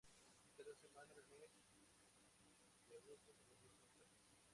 Cada semana del mes de agosto se organiza un torneo.